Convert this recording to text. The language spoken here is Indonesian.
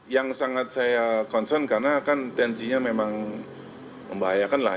yang sangat saya concern karena kan tensinya memang membahayakan lah